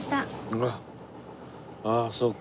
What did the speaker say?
あっああそうか。